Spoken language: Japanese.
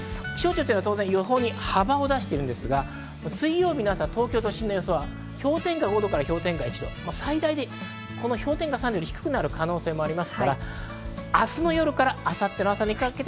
予報に幅を出してるんですが、金曜日の朝、東京都心予想は、氷点下５度から氷点下１度、氷点下３度より低くなる可能性もあります。